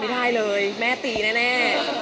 ไม่ได้เลยแม่ตีแน่